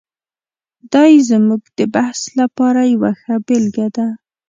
دی زموږ د بحث لپاره یوه ښه بېلګه ده.